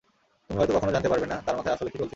তুমি হয়ত কখনও জানতে পারবে না তার মাথায় আসলে কী চলছিল।